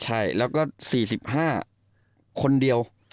ใช่แล้วก็๔๕คนเดียว